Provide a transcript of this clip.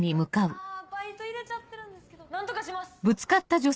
あバイト入れちゃってるんですけど何とかします。